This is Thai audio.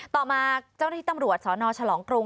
ต่อมาเจ้าหน้าที่ตำรวจสนฉลองกรุง